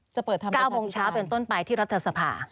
จะเปิดทำประสัตว์อีกครั้ง๙โมงเช้าเป็นต้นไปที่รัฐสภา